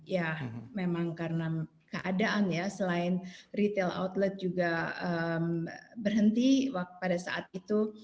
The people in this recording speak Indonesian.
ya memang karena keadaan ya selain retail outlet juga berhenti pada saat itu